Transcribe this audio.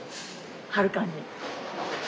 はるかに。